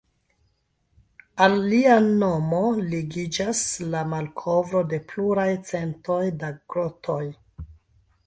Al lia nomo ligiĝas la malkovro de pluraj centoj da grotoj.